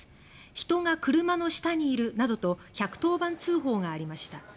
人が車の下にいる」などと１１０番通報がありました。